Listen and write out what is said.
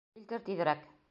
Килтер тиҙерәк!